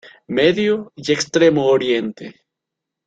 Medio y Extremo Oriente.